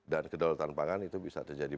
dan kedaulatan pangan itu bisa terjadi